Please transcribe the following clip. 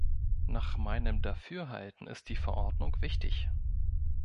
Nach meinem Dafürhalten ist die Verordnung wichtig.